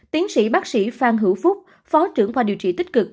tiến sĩ bác sĩ phan hữu phúc phó trưởng khoa điều trị tích cực